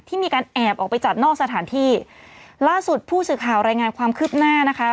มีการแอบออกไปจัดนอกสถานที่ล่าสุดผู้สื่อข่าวรายงานความคืบหน้านะคะ